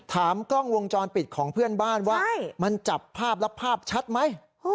ถามกล้องวงจรปิดของเพื่อนบ้านว่ามันจับภาพแล้วภาพชัดไหม